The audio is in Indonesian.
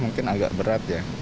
mungkin agak berat ya